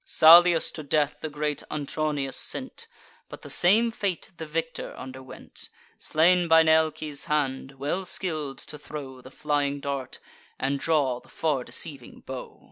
Salius to death the great Antronius sent: But the same fate the victor underwent, Slain by Nealces' hand, well skill'd to throw The flying dart, and draw the far deceiving bow.